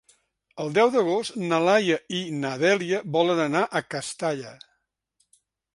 El deu d'agost na Laia i na Dèlia volen anar a Castalla.